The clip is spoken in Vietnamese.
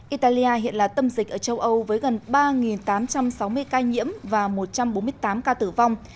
italia hiện là tâm dịch ở châu âu với gần ba tám trăm sáu mươi ca nhiễm và một trăm bốn mươi tám ca tử vong